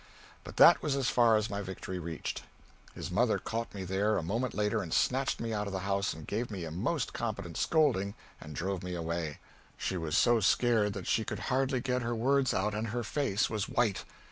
But that was as far as my victory reached. His mother caught me there a moment later and snatched me out of the house and gave me a most competent scolding and drove me away. She was so scared that she could hardly get her words out, and her face was white.